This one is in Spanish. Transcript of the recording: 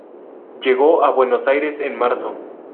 Llegó a Buenos Aires en marzo.